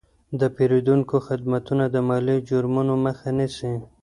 د پیرودونکو خدمتونه د مالي جرمونو مخه نیسي.